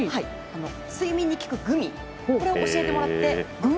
睡眠に効くグミを教えてもらって。